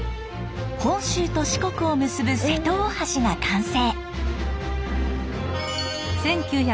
本州と四国を結ぶ瀬戸大橋が完成。